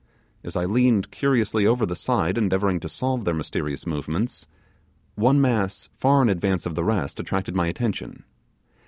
As I leaned curiously over the side, endeavouring to solve their mysterious movements, one mass far in advance of the rest attracted my attention.